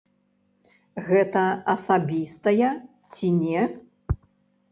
Гэта асабістая ці не?